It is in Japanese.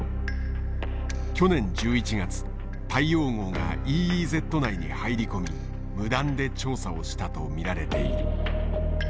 去年１１月大洋号がＥＥＺ内に入り込み無断で調査をしたと見られている。